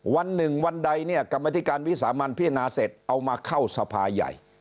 วันหนึ่งวันใดเนี่ยกรรมธิการวิสามันพิจารณาเสร็จเอามาเข้าสภาใหญ่